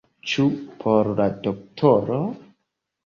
Ĉu por la doktoro?